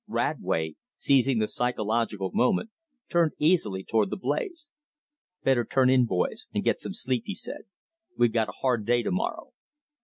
Radway, seizing the psychological moment, turned easily toward the blaze. "Better turn in, boys, and get some sleep," he said. "We've got a hard day to morrow."